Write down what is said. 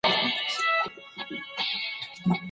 د وټس-اپ د تېرو پیغامونو تاریخچه یې په ځیر سره وکتله.